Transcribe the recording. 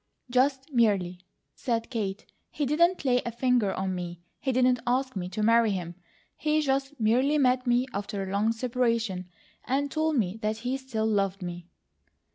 "Just 'merely,'" said Kate. "He didn't lay a finger on me; he didn't ask me to marry him; he just merely met me after a long separation, and told me that he still loved me."